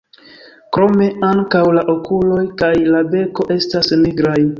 Krome ankaŭ la okuloj kaj la beko estas nigraj.